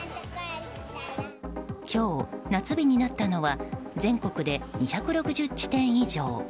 今日、夏日になったのは全国で２６０地点以上。